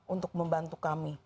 untuk membantu kami